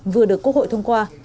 vừa được quốc hội thông qua